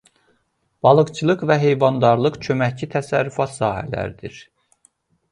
Balıqçılıq və heyvandarlıq köməkçi təsərrüfat sahələridir.